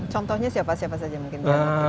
contohnya siapa siapa saja mungkin